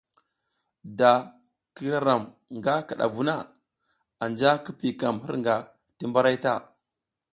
Da k ira ram nga kidavu na, anja ki piykam hirnga ti mbaray ta.